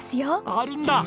あるんだ！